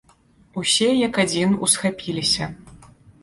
Усе як адзін усхапіліся.